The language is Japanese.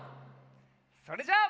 それじゃあ。